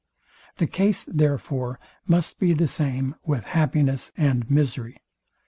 The case, therefore, must be the same with happiness and misery.